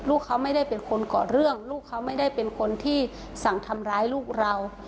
ลูกเขาไม่ได้เป็นคนก่อเรื่องลูกเขาไม่ได้เป็นคนที่สั่งทำร้ายลูกเรา